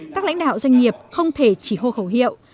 các lãnh đạo doanh nghiệp không thể chỉ hô khẩu hiệu